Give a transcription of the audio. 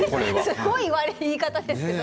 すごい言い方ですけど。